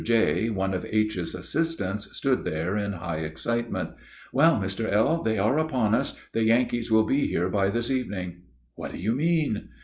J., one of H.'s assistants, stood there in high excitement. "Well, Mr. L., they are upon us; the Yankees will be here by this evening." "What do you mean?"